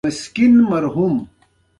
ایا ستاسو پنیر به تازه نه وي؟